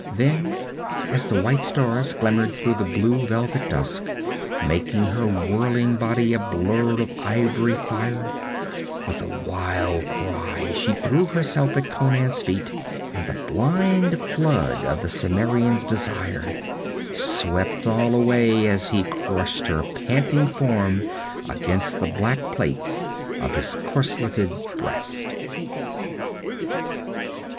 Then, as the white stars glimmered through the blue velvet dusk, making her whirling body a blur of ivory fire, with a wild cry she threw herself at Conan's feet, and the blind flood of the Cimmerian's desire swept all else away as he crushed her panting form against the black plates of his corseleted breast.